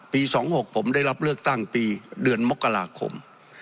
๒๖ผมได้รับเลือกตั้งปีเดือนมกราคม